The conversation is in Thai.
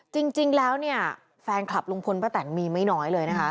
จริงแล้วเนี่ยแฟนคลับลุงพลป้าแตนมีไม่น้อยเลยนะคะ